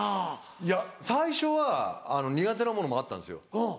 いや最初は苦手なものもあったんですよ。